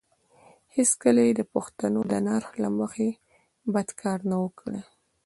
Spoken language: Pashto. هېڅکله یې د پښتنو د نرخ له مخې بد کار نه وو کړی.